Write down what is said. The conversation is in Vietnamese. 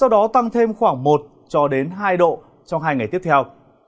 đó tăng thêm khoảng một hai độ trong hai ngày tiếp theo